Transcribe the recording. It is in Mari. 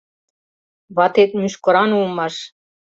— Ватет мӱшкыран улмаш.